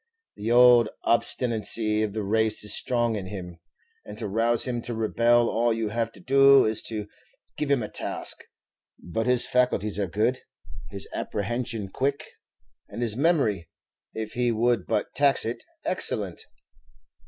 The old obstinacy of the race is strong in him, and to rouse him to rebel all you have to do is to give him a task; but his faculties are good, his apprehension quick, and his memory, if he would but tax it, excellent.